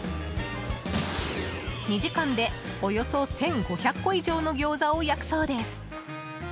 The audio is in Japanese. ２時間でおよそ１５００個以上の餃子を焼くそうです。